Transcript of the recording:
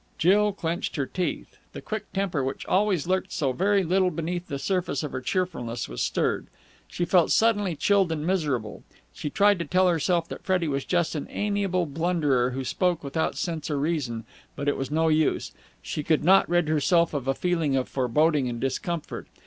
Jill clenched her teeth. The quick temper which always lurked so very little beneath the surface of her cheerfulness was stirred. She felt suddenly chilled and miserable. She tried to tell herself that Freddie was just an amiable blunderer who spoke without sense or reason, but it was no use. She could not rid herself of a feeling of foreboding and discomfort.